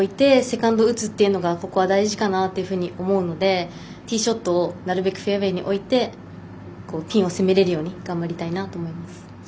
とにかくティーショットをフェアウエーに置くことがここは大事かなというふうに思うのでティーショットをなるべくフェアウエーに置いてピンを攻めれるように頑張りたいと思います。